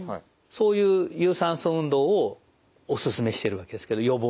そういう有酸素運動をお勧めしてるわけですけど予防になると。